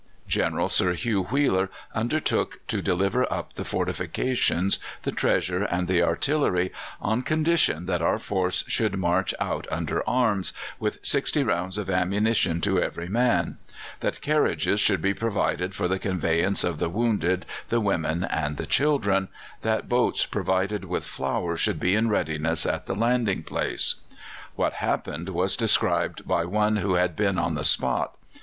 General Sir Hugh Wheeler undertook to deliver up the fortifications, the treasure, and the artillery on condition that our force should march out under arms, with sixty rounds of ammunition to every man; that carriages should be provided for the conveyance of the wounded, the women, and the children; that boats provided with flour should be in readiness at the landing place. What happened was described by one who had been on the spot.